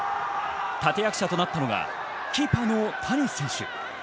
立役者となったのが、キーパーの谷選手。